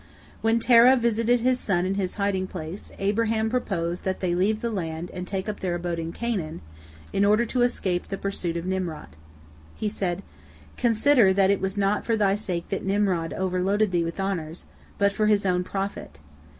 When Terah visited his son in his hiding place, Abraham proposed that they leave the land and take up their abode in Canaan, in order to escape the pursuit of Nimrod. He said: "Consider that it was not for thy sake that Nimrod overloaded thee with honors, but for his own profit.